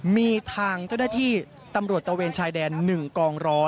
มีทางเจ้าหน้าที่ตำรวจตะเวนชายแดน๑กองร้อย